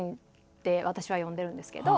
って私は呼んでるんですけど。